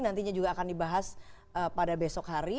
nantinya juga akan dibahas pada besok hari